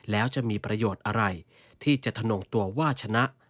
แล้วจะมีประโยชน์อะไรที่จะถนงตัวว่าชนะ